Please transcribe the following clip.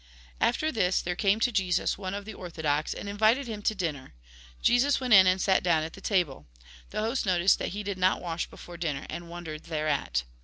After this there came to Jesus one of the ortho dox, and invited him to dinner. Jesus went in and sat down at table. The host noticed that he did not wash before dianer, and wondered thereat.